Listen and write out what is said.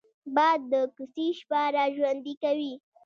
باد د کوڅې شپه را ژوندي کوي